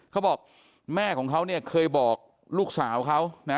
เขาบอกแม่ของเขาเนี่ยเคยบอกลูกสาวเขานะ